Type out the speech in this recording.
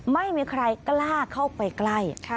ไม่มีใครกล้าเข้าไปใกล้